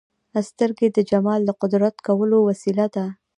سترګې د جمال د قدر کولو وسیله ده